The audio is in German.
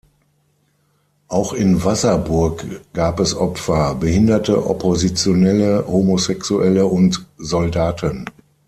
Auch in Wasserburg gab es Opfer: Behinderte, Oppositionelle, Homosexuelle und Soldaten.